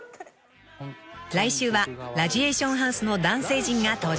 ［来週は『ラジエーションハウス』の男性陣が登場］